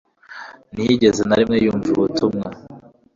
ntiyigeze na rimwe yumva ubutumwa